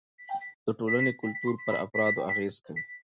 د ټولنې کلتور پر افرادو اغېز کوي.